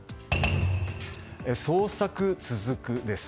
捜索、続くです。